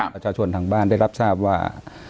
ประชาชนทางบ้านได้รับทราบว่า